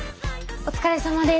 お疲れさまです。